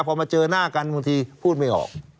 พอมาเจอหน้ากันบางทีพูดไม่ออก